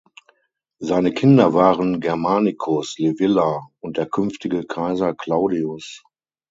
Seine Kinder waren Germanicus, Livilla und der künftige Kaiser Claudius.